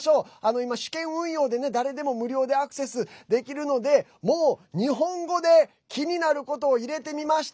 今、試験運用で、誰でも無料でアクセスできるのでもう日本語で気になることを入れてみました。